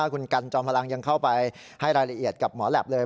คุณกันจอมพลังยังเข้าไปให้รายละเอียดกับหมอแหลปเลย